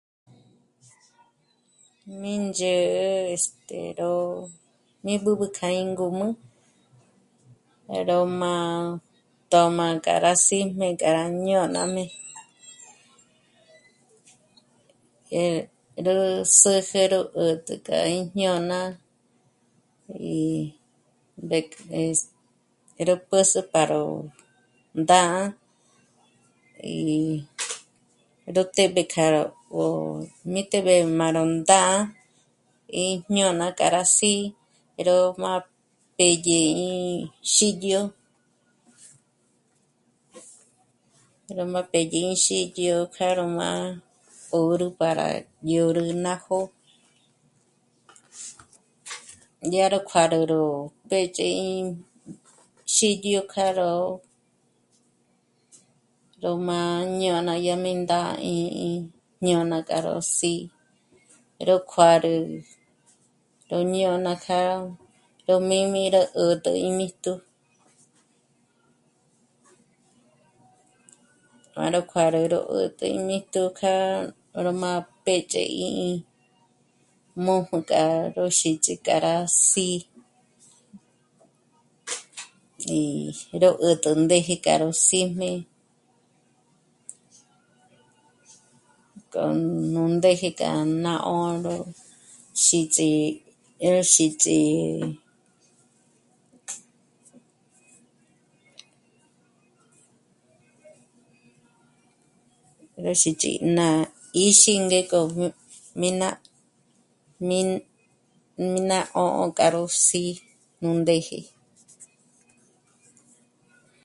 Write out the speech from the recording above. Mí ndzhë̂'ë este... ró... mí b'ǚb'ü kja íngǔm'ü 'á ró má'a... tö̌m'a k'a rá sí'm'e gá ñônajmé, eh... rú sǚrüjé ró 'ä̀t'ä k'a ín jñôna í... mbék... es... ró pǚs'ü pa ró ndá'a í... ró té'b'e kjâ'a ó mí'teb'e k'a ró ndá'a í jñôna k'a sí'i ró má pédye í xídyo..., ró má pédye í xídyo kjá ró má'a 'ö́rü para dyôrü ná jó'o, dyá ró kjuârü ró pédye í... xídyo k'a ró... ró má jñôna yá mí ndá'a í jñôna k'a ró sí'i ró kjuârü ró jñôna k'a ró mī́jm'ī rá 'ä̀t'ä ímíjtju para ró kjuârü 'ä̀tjä ímíjtju k'a ró má pédzhe 'í'i mū́ju k'a ró xíts'i k'a rá sí'i í... ró 'ä̀t'ä ndéje k'a ró síjmé k'o nú ndéje k'a ná 'ṓ'ō ró xíts'i, ró xíts'i, eh..., ró xíts'i ná 'íxi ngék'o m... mí ná, mí..., mí ná 'ó'o k'a ó sí'i nú ndéje